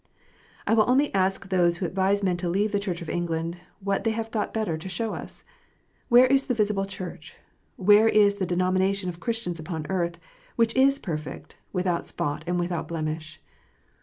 I will only ask those who advise men to leave the Church of England, what they have got better to show us ? Where is the visible Church, where is the denomination of Christians upon earth, which is perfect, without spot, and without blemish